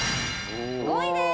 ５位です！